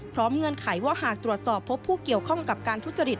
เงื่อนไขว่าหากตรวจสอบพบผู้เกี่ยวข้องกับการทุจริต